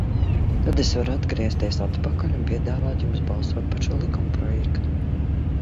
Tad es varu atgriezties atpakaļ un piedāvāt jums balsot par šo likumprojektu.